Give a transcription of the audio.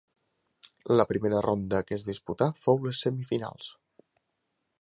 La primera ronda que es disputà fou les semifinals.